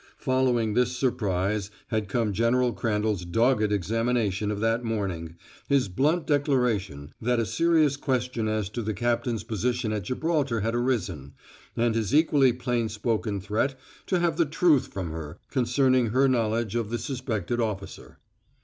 Following this surprise had come General Crandall's dogged examination of that morning his blunt declaration that a serious question as to the captain's position at Gibraltar had arisen, and his equally plain spoken threat to have the truth from her concerning her knowledge of the suspected officer.